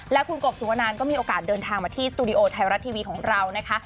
และคุณกบสุวนันก็มีโอกาสเดินทางมาที่สตูดิโอไทยรัฐทีวีของเรานะคะ